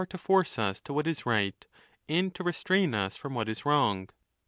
223 to force us to what is right, and to restrain us from what is wrong.